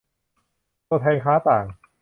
ตัวแทนค้าต่าง